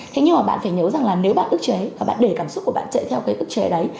thế nhưng mà bạn phải nhớ rằng là nếu bạn ức chế và bạn để cảm xúc của bạn chạy theo cái ức chế đấy